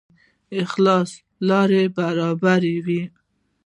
خلاصون لاره برابروي